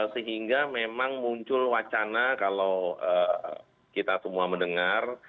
sehingga memang muncul wacana kalau kita semua mendengar